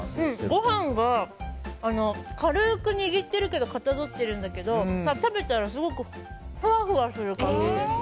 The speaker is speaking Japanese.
ご飯が軽く握ってるけどかたどってるんだけど食べたらすごくふわふわする感じです。